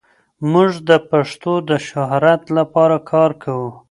موږ د پښتو د شهرت لپاره کار کوو.